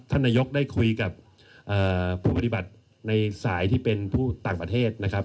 ท่านนายกได้คุยกับผู้ปฏิบัติในสายที่เป็นผู้ต่างประเทศนะครับ